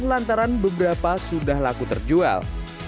lantaran beberapa sudah laku terjual